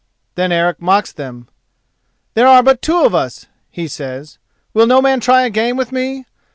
Then Eric mocks them. "There are but two of us," he says, "will no man try a game with me?